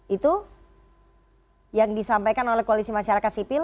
itu yang disampaikan oleh koalisi masyarakat sipil